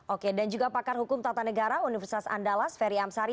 oke dan juga pakar hukum tata negara universitas andalas ferry amsari